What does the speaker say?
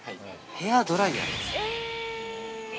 ◆ヘアドライヤー？